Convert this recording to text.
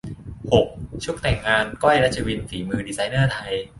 หก ชุดแต่งงาน ก้อย รัชวิน ฝีมือดีไซเนอร์ไทย